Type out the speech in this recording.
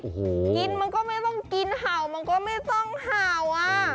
โอ้โหกินมันก็ไม่ต้องกินเห่ามันก็ไม่ต้องเห่าอ่ะ